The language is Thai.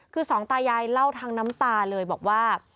คือสองตายายเล่าทั้งน้ำตาเลยบอกว่า